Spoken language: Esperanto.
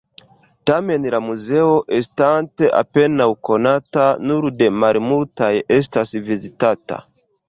Tamen la muzeo, estante apenaŭ konata, nur de malmultaj estas vizitata.